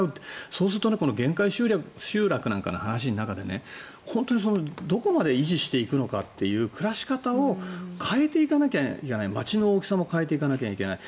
そうすると限界集落なんかの話で本当にどこまで維持していくのかという暮らし方を変えていかなきゃいけない街の大きさも変えていかなければいけない。